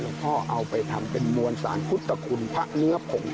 พ่อเอาไปทำเป็นมวลสารพุทธคุณพระเนื้อผง